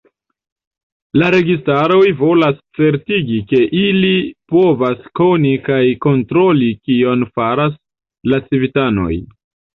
La registaroj volas certigi, ke ili povas koni kaj kontroli kion faras la civitanoj.